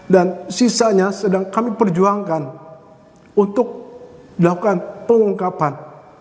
dan sisanya sedang kami perjuangkan untuk dilakukan pengungkapan